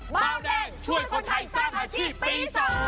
เบาแดงช่วยคนไทยสร้างอาชีพปี๒